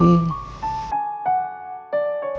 kayak orang yang gak tau terima kasih